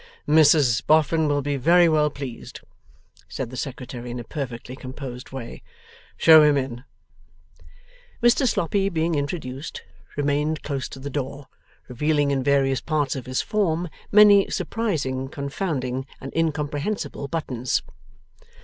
'Mrs Boffin will be very well pleased,' said the Secretary in a perfectly composed way. 'Show him in.' Mr Sloppy being introduced, remained close to the door: revealing in various parts of his form many surprising, confounding, and incomprehensible buttons.